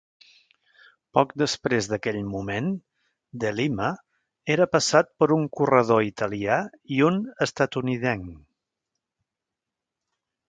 Poc després d'aquell moment, De Lima era passat per un corredor italià i un estatunidenc.